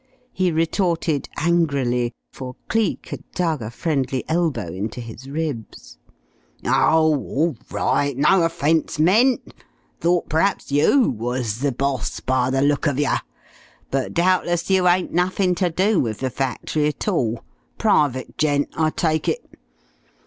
he retorted angrily, for Cleek had dug a friendly elbow into his ribs. "Oh, orl right! No offence meant! Thought perhaps you wuz the boss, by the look of yer. But doubtless you ain't nuffink ter do wiv the factory at all. Private gent, I take it."